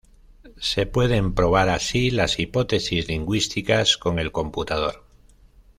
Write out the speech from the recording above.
Se pueden probar así las hipótesis lingüísticas con el computador.